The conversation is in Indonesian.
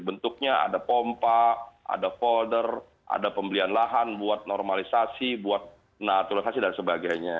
bentuknya ada pompa ada folder ada pembelian lahan buat normalisasi buat naturalisasi dan sebagainya